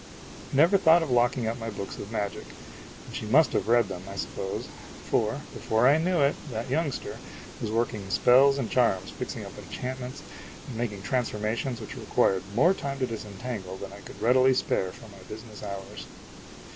I never thought of locking up my books of magic and she must have read them, I suppose ; for, be fore I knew it, that youngster was working spells and charms, fixing up enchantments, and making trans formations which required more time to disentangle than I could readily spare from my business hours.